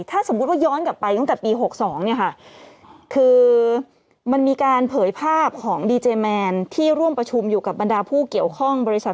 ถ้าสมมุติว่าย้อนกลับไปตั้งแต่ปี๖๒เนี่ยค่ะคือมันมีการเผยภาพของดีเจแมนที่ร่วมประชุมอยู่กับบรรดาผู้เกี่ยวข้องบริษัท